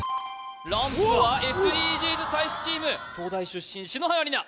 ランプはＳＤＧｓ大使チーム東大出身篠原梨菜